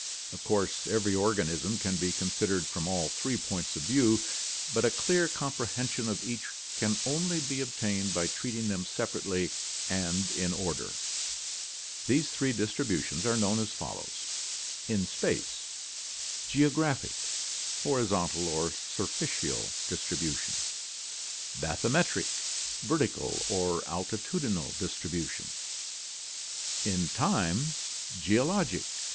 Of course every organism can be considered from all three points of view, but a clear comprehension of each can only be ob tained by treating them separately and in order. These three distributions are known as follows: In space: Geographic. Horizontal or surficial distribution. Bathymetric. Vertical or altitudinal distribution. In time: Geologic.